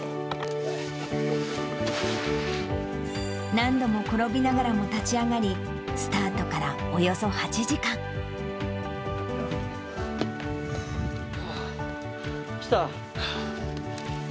何度も転びながらも立ち上がり、スタートからおよそ８時間。来た。